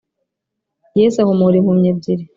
Yesu ahumura impumyi ebyiri